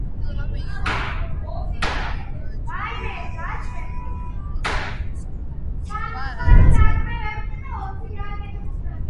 ფილმმა მიიღო უმრავი ჯილდო დაჯილდოების სხვადასხვა ცერემონიალებზე.